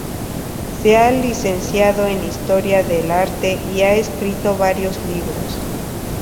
Se ha licenciado en Historia del Arte y ha escrito varios libros.